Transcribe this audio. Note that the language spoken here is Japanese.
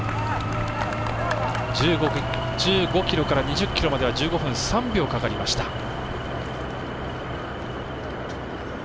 １５ｋｍから２０ｋｍまでは１５分３秒かかりました。